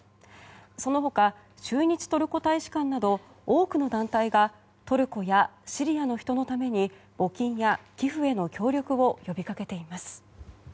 その他、駐日トルコ大使館など多くの団体がトルコやシリアの人のために募金や寄付への協力を呼び掛けています。